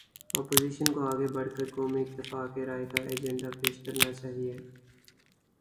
Opposition کو آگے بڑھ کر قومی اتفاق رائے کا ایجنڈا پیش کرنا چاہیے۔